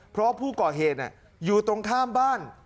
เพราะผู้ก่อเหตุอยู่ตรงข้ามบ้าน